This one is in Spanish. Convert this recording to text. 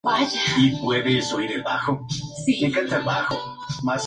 Es licenciada en Derecho y posee un máster en Asesoría Fiscal y Tributaria.